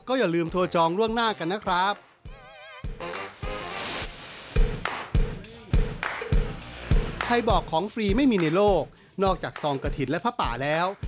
ใครบอกของฟรีไม่มีในโลกนอกจากทรองกะถิ่นและพระป่าแล้ว